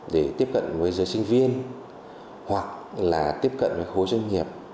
để tiếp cận với giới sinh viên hoặc là tiếp cận với khối doanh nghiệp